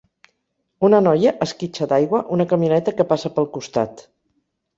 Una noia esquitxa d'aigua una camioneta que passa pel costat.